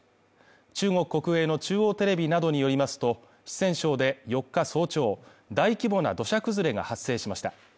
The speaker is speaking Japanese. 中国国営の中央テレビなどによりますと、四川省で４日早朝、大規模な土砂崩れが発生しました